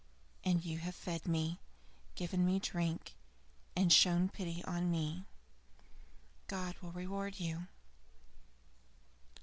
And you have fed me, given me drink, and shown pity on me. God will reward you!"